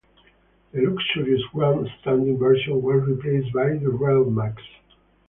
The luxurious Grand Standing version was replaced by the "Relmax".